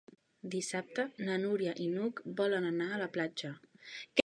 Dissabte na Núria i n'Hug volen anar a la platja.